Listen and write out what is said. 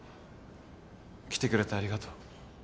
来てくれてありがとう。